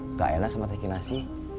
nggak enak sama kaki nasi